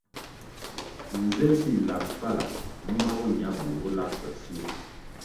Nze zih lab fala numa bo ña bur bo lab kwasio ?